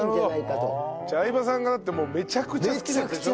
相葉さんがだってめちゃくちゃ好きなやつでしょ？